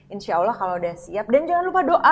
insya allah kalau udah siap dan jangan lupa doa